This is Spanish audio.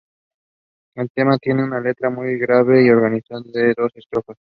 El tema tiene una letra muy breve, organizada en dos estrofas.